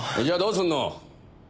じゃあどうすんの？